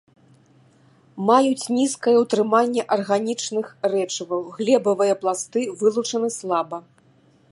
Маюць нізкае ўтрыманне арганічных рэчываў, глебавыя пласты вылучаны слаба.